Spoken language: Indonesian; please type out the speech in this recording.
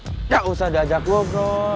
enggak usah diajak lo bro